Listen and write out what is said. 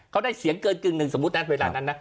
เขาได้เสียงเกินกึ่งหนึ่งสมมุตินะเวลานั้นนะ